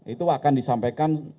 itu akan disampaikan